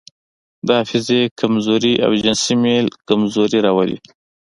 د حافظې کمزوري او جنسي میل کمزوري راولي.